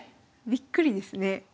びっくりですね。